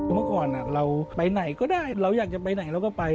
เมื่อก่อนเราไปไหนก็ได้เราอยากจะไปไหนเราก็ไป